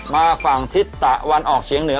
มาฝั่งทิศตะวันออกเฉียงเหนือ